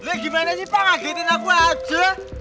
lu gimana sih pak ngagetin aku aja